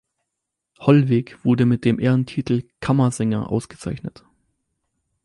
Hollweg wurde mit dem Ehrentitel Kammersänger ausgezeichnet.